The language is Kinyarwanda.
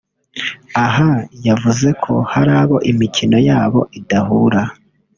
Aha yavuze ko hari abo imikono yabo idahura